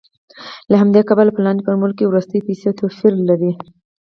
له همدې کبله په لاندې فورمول کې وروستۍ پیسې توپیر لري